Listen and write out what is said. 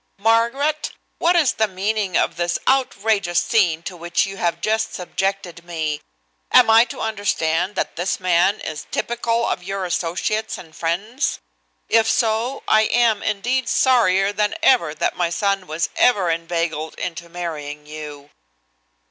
"Margaret! What is the meaning of this outrageous scene to which you have just subjected me? Am I to understand that this man is typical of your associates and friends? If so, I am indeed sorrier than ever that my son was ever inveigled into marrying you."